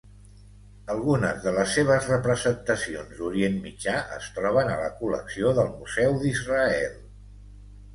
Algunes de les seves representacions d'Orient Mitjà es troben a la col·lecció del Museu d'Israel.